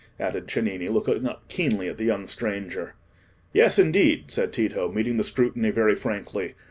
added Cennini, looking up keenly at the young stranger. "Yes, indeed," said Tito, meeting the scrutiny very frankly.